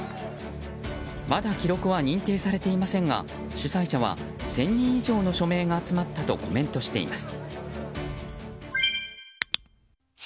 まだ記録は認定されていませんが主催者は１０００人以上の署名が集まったとコメントしています。